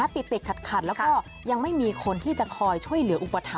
ติดขัดแล้วก็ยังไม่มีคนที่จะคอยช่วยเหลืออุปถัม